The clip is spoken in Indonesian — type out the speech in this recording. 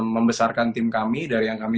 membesarkan tim kami dari yang kami